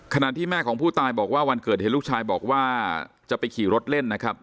ขณะที่แม่ของผู้ตายบอกว่าวันเกิดเหตุลูกชายบอกว่าจะไปขี่รถเล่นนะครับ